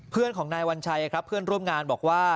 เพื่อนของนายวัญชัยครับเพื่อนร่วมงานบอกว่า